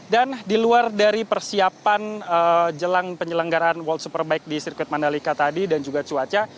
dan di luar dari persiapan jelang penyelenggaraan world superbike di sirkuit mandalika tadi dan juga cuaca